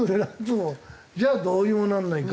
じゃあどうにもならないんだ。